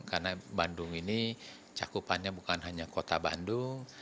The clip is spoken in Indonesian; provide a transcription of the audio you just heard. karena bandung ini cakupannya bukan hanya kota bandung